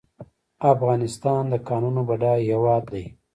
افغانستان د کانونو بډایه هیواد دی